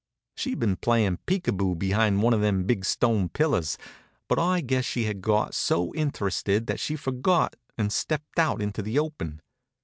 She'd been playin' peek a boo behind one of them big stone pillars, but I guess she had got so interested that she forgot and stepped out into the open.